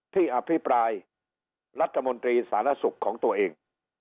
อภิปรายรัฐมนตรีสารสุขของตัวเอง